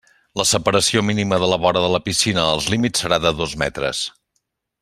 La separació mínima de la vora de la piscina als límits serà de dos metres.